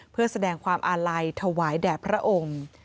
เพื่อแสดงความอาลัยถวายแด่พระองค์